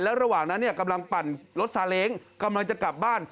ระหว่างนั้นกำลังปั่นรถซาเล้งกำลังจะกลับบ้าน